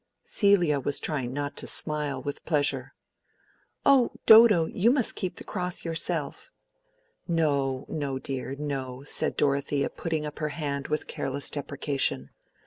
Celia was trying not to smile with pleasure. "O Dodo, you must keep the cross yourself." "No, no, dear, no," said Dorothea, putting up her hand with careless deprecation.